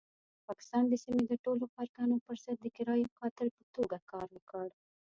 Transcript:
پاکستان د سیمې د ټولو پرګنو پرضد د کرایي قاتل په توګه کار وکړ.